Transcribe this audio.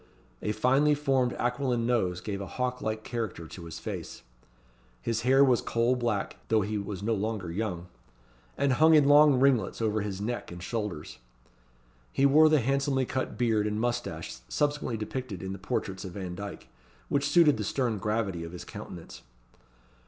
A finely formed aquiline nose gave a hawk like character to his face; his hair was coal black (though he was no longer young), and hung in long ringlets over his neck and shoulders. He wore the handsomely cut beard and moustache subsequently depicted in the portraits of Vandyke, which suited the stern gravity of his countenance.